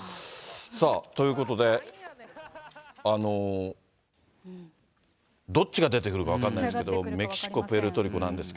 さあ、ということで、どっちが出てくるか分からないですけど、メキシコ、プエルトリコなんです